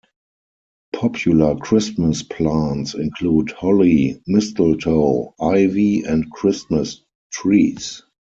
Popular Christmas plants include holly, mistletoe, ivy and Christmas trees.